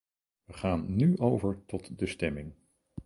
Wij gaan nu over tot de stemming.